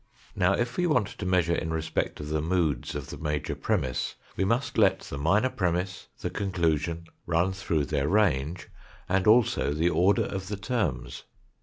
Now, if we want to measure in respect of the moods of the major premiss, we must let the minor premiss, the conclusion, run through their range, and also the order of the terms.